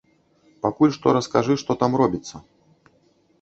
Пакуль што раскажы, што там робіцца.